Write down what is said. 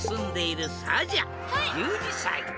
１２さい。